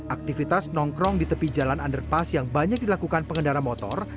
aktivitas nongkrong di tepi jalan underpass yang banyak dilakukan pengendara motor